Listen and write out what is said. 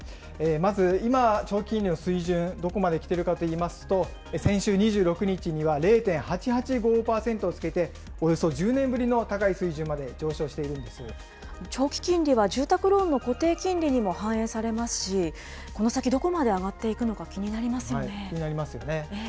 まず今長期金利の水準、どこまで来ているかといいますと、先週２６日には０．８８５％をつけて、およそ１０年ぶりの高い水準まで長期金利は住宅ローンの固定金利にも反映されますし、この先、どこまで上がっていくのか気にな気になりますよね。